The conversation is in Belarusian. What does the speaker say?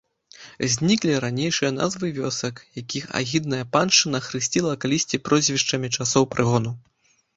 Зніклі ранейшыя назвы вёсак, якіх агідная паншчына хрысціла калісьці прозвішчамі часоў прыгону.